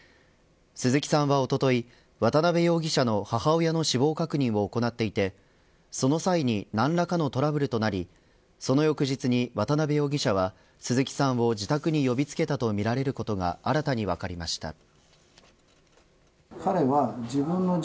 鈴木さんは、おととい渡辺容疑者の母親の死亡確認を行っていてその際に何らかのトラブルとなりその翌日に、渡辺容疑者は鈴木さんを自宅に呼びつけたとみられることが新たに分かりました。